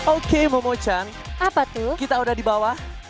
oke momo chan kita udah di bawah